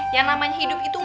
yang namanya hidup itu